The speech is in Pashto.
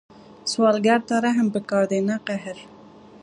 سوالګر ته رحم پکار دی، نه قهر